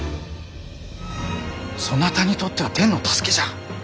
そなたにとっては天の助けじゃ。